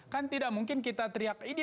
kan tidak mungkin kita teriak ini